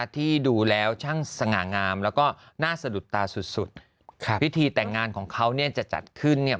ที่ดูแล้วช่างสง่างามแล้วก็น่าสะดุดตาสุดสุดครับพิธีแต่งงานของเขาเนี่ยจะจัดขึ้นเนี่ย